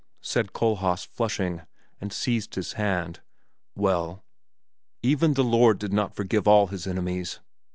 said Kohlhaas flushing, and seized his hand "Well?" "Even the Lord did not forgive all his enemies.